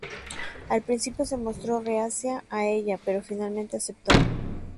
Al principio se mostró reacia a ella pero finalmente aceptó.